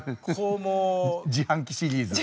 自販機シリーズ。